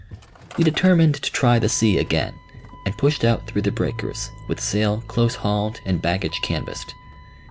We determined to try the sea again, and pushed out through the breakers, with sail close hauled and baggage canvased.